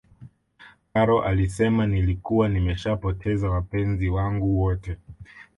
karol alisema nilikuwa nimeshapoteza wapenzi wangu wote